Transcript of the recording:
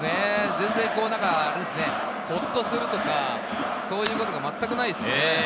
全然ほっとするとか、そういうことがまったくないですね。